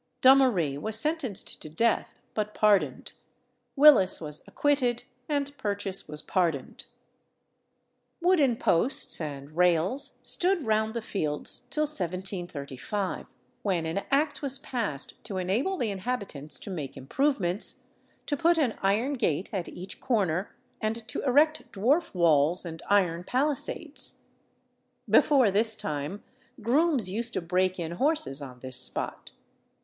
Dommaree was sentenced to death, but pardoned; Willis was acquitted; and Purchase was pardoned. Wooden posts and rails stood round the Fields till 1735, when an Act was passed to enable the inhabitants to make improvements, to put an iron gate at each corner, and to erect dwarf walls and iron palisades. Before this time grooms used to break in horses on this spot.